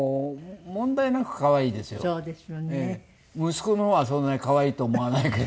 息子の方はそんなに可愛いと思わないけど。